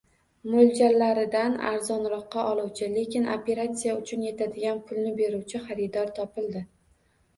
Mo`ljallaridan arzonroqqa oluvchi, lekin operasiya uchun etadigan pulni beruvchi xaridor topildi